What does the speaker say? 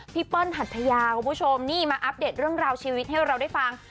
เปิ้ลหัทยาคุณผู้ชมนี่มาอัปเดตเรื่องราวชีวิตให้เราได้ฟัง